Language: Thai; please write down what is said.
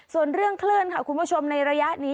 ส่วนเรื่องคลื่นค่ะคุณผู้ชมในระยะนี้